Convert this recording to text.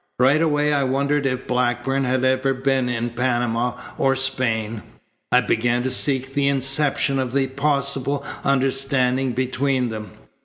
Right away I wondered if Blackburn had ever been in Panama or Spain. I began to seek the inception of the possible understanding between them.